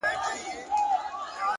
حقیقت د وخت ملګری دی.!